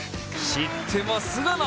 知ってますがな。